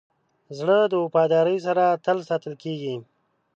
زړه د وفادارۍ سره تل ساتل کېږي.